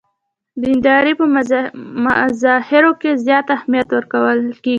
دیندارۍ په مظاهرو کې زیات اهمیت ورکول کېږي.